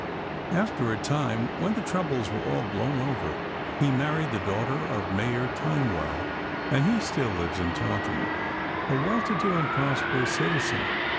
After a time, when the troubles were all blown over, he married the daughter of Mayor Timewell, and he still lives in Taunton, a well to do and prosperous citizen.